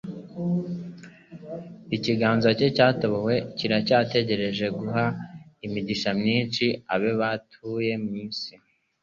Ikiganza cye cyatobowe kiracyategereje guha imigisha myinshi abe batuye mu isi.